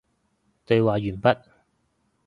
對話完畢